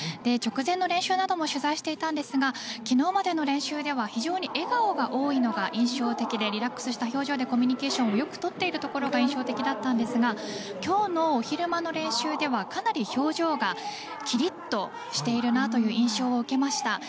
直前の練習なども取材していたんですが昨日までの練習では非常に笑顔が多いのが印象的でリラックスした表情でコミュニケーションをよくとっているところが印象的だったんですが今日の昼間の練習ではかなり表情がキリッとしているなという印象を受けました。